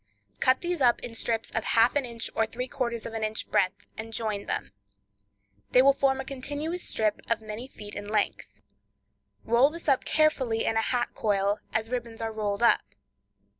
Cut these up in strips of half an inch or three quarters of an inch breadth, and join them. They will form a continuous strip of many feet in length. Roll this up carefully in a hat coil, as ribbons are rolled up.